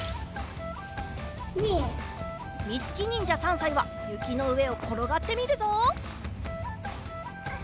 みつきにんじゃ３さいはゆきのうえをころがってみるぞ。